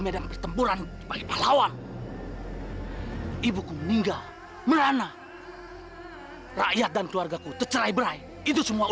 medan pertempuran balawan ibuku meninggal merana rakyat dan keluarga ku tercerai berai itu semua